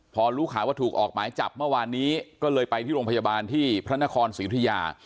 พอรู้ข่าวว่าถูกออกหมายจับเมื่อวานนี้ก็เลยไปที่โรงพยาบาลที่พระนครศรีอุทยา